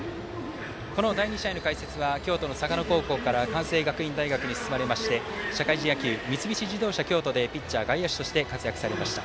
第２試合の解説は京都の嵯峨野高校から関西学院大学に進まれまして社会人野球、三菱自動車京都でピッチャー、外野手として活躍されました。